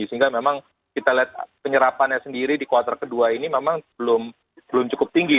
sehingga memang kita lihat penyerapannya sendiri di kuartal kedua ini memang belum cukup tinggi